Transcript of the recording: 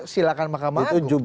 silahkan makam agung